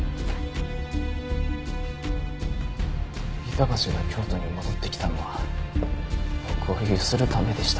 板橋が京都に戻ってきたのは僕をゆするためでした。